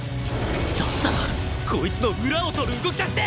だったらこいつの裏を取る動き出しで！